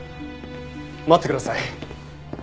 待ってください。